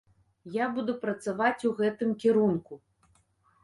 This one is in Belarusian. Я буду працаваць у гэтым кірунку.